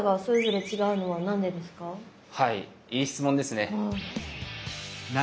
はいいい質問ですね。